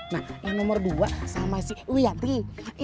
nah yang nomor dua sama si uyati